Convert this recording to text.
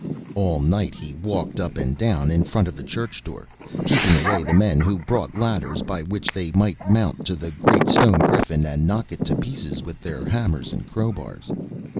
All night he walked up and down in front of the church door, keeping away the men who brought ladders, by which they might mount to the great stone griffin, and knock it to pieces with their hammers and crowbars.